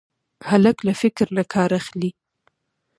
هلک له فکر نه کار اخلي.